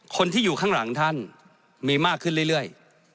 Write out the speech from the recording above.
คนที่อยู่ข้างหลังท่านมีมากขึ้นเรื่อย